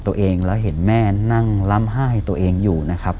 ตัวเองแล้วเห็นแม่นั่งล้ำไห้ตัวเองอยู่นะครับ